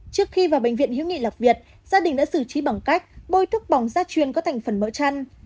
trước khi vào bệnh viện hiếu nghị lạc việt gia đình đã xử trí bằng cách bôi thức bỏng da chuyên có thành phần mỡ chăn